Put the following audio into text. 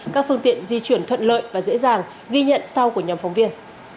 các phương tiện di chuyển thuận lợi và dễ dàng ghi nhận sau của nhóm phóng viên